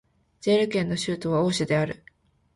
ジェール県の県都はオーシュである